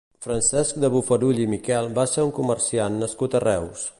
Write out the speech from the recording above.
Francesc de Bofarull i Miquel va ser un comerciant nascut a Reus.